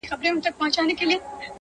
له شپږو مياشتو څه درد ;درد يمه زه;